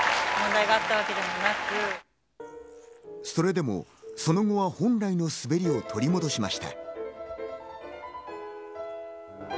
それでも、その後は本来の滑りを取り戻しました。